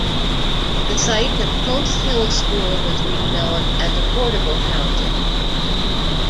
The site of Tulse Hill school was redeveloped as affordable housing.